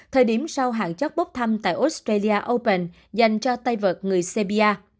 thời điểm sau hạn chất bóp thăm tại australia open dành cho tay vật người serbia